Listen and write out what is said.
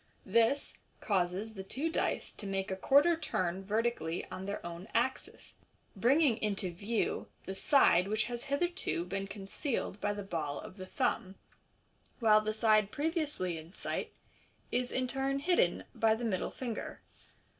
This causes the two dice to make a quarter turn vertically on their own axis, bringing into view Fig. 116. MODERN MA GIC. 269 the side which has hitherto been concealed by the ball of the thumb, while the side previously in sight is in turn hidden by the middle finger.